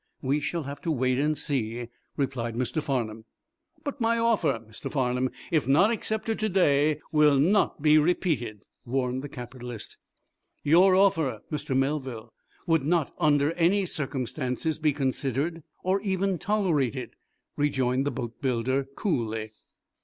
"We shall have to wait and see," replied Mr. Farnum. "But my offer, Mr. Farnum, if not accepted to day, will not be repeated," warned the capitalist. "Your offer, Mr. Melville, would not, under any circumstances, be considered, or even tolerated," rejoined the boatbuilder, coolly.